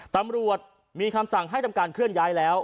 ตำรวจมีคำสั่งให้ทำการเคลื่อนย้ายแล้ว